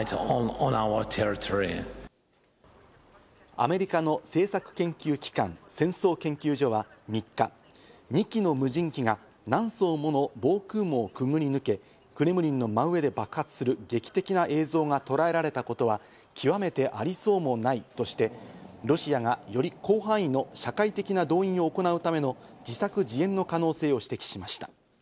アメリカの政策研究機関・戦争研究所は３日、２機の無人機が何層もの防空網をくぐりぬけ、クレムリンの真上で爆発する劇的な映像がとらえられたことは極めてありそうもないとしてロシアがより広範囲の社会的な動員を行うための自作自演の可能性を指摘しました。